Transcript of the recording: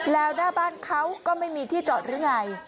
แล้วหน้าบ้านเขาก็ไม่มีที่จอดหรือไง